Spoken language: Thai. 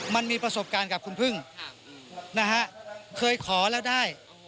มันมีประสบการณ์กับคุณพึ่งนะฮะเคยขอแล้วได้